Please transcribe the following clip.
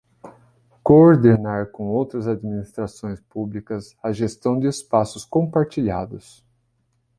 Coordenar com outras administrações públicas a gestão de espaços compartilhados.